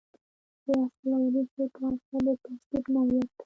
د اصل او ریښې په اساس د تهذیب نوعیت ته.